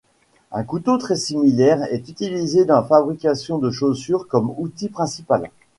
Un couteau très similaire est utilisé dans la fabrication de chaussures comme outil principal.